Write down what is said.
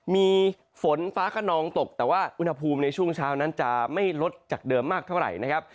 มีฝนฟ้าขนองตกแต่ว่าอุณหภูมิในช่วงเช้านั้นจะไม่ลดจากเดิมมากเท่าไหร่นะครับ